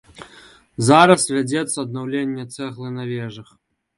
Зараз вядзецца аднаўленне цэглы на вежах.